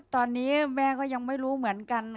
ตอนนี้แม่ก็ยังไม่รู้เหมือนกัน